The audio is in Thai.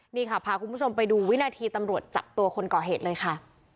นี่ค่ะพาคุณผู้ชมไปดูวินาทีตำรวจจับตัวคนก่อเหตุเลยค่ะ